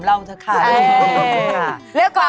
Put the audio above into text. สวัสดีครับ